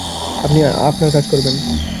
আপনি আপনার কাজ করবেন।